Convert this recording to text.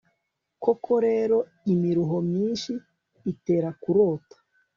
koko rero, imiruho myinshi itera kurota